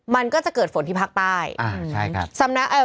มันก็จะเกิดฝนที่ภาคใต้